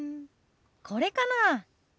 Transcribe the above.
これかな。